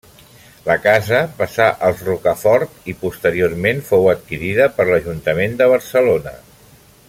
La casa passà als Rocafort i posteriorment fou adquirida per l'ajuntament de Barcelona.